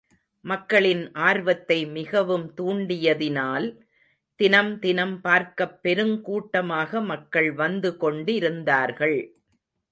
மக்களின் ஆர்வத்தை மிகவும் தூண்டியதினால் தினம் தினம் பார்க்கப் பெருங்கூட்டமாக மக்கள் வந்து கொண்டிருந்தார்கள்.